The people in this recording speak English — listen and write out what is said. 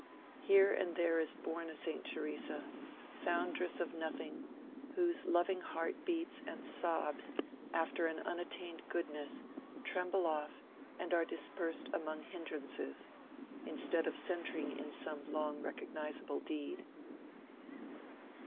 Here and there is born a Saint Theresa, foundress of nothing, whose loving heart beats and sobs after an unattained goodness tremble off and are dispersed among hindrances, instead of centring in some long recognizable deed.